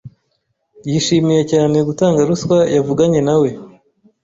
Yishimiye cyane gutanga ruswa Yavuganye nawe